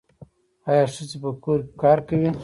آیا ښځې په کور کې کار کوي؟